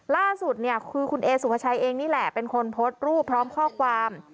ล่าสุดคือคุณเอสุพชัยเองนี่แหละเป็นคนพดรูปพร้อมข้อความ